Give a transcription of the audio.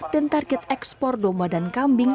dan target ekspor domba dan kambing